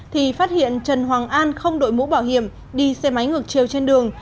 thì phát hiện trần hoàng an không đội mũ bảo hiểm đi xe máy ngược chiều trên đường